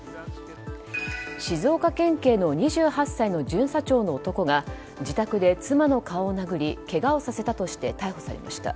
静岡県警の２８歳の巡査長の男が自宅で妻の顔を殴りけがをさせたとして逮捕されました。